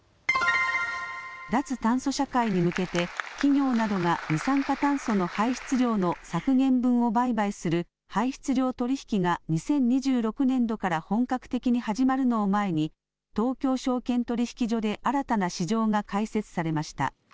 脱炭素社会に向けて企業などが二酸化炭素の排出量の削減分を売買する排出量取引が２０２６年度から本格的に始まるのを前に東京証券取引所で新たな市場が開設されました。